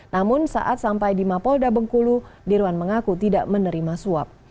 namun saat sampai di mapolda bengkulu dirwan mengaku tidak menerima suap